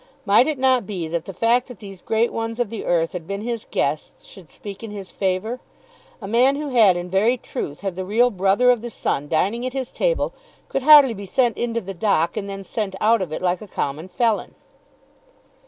Might it not be that the fact that these great ones of the earth had been his guests should speak in his favour? A man who had in very truth had the real brother of the Sun dining at his table could hardly be sent into the dock and then sent out of it like a common felon.